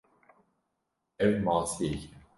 Ev masiyek e.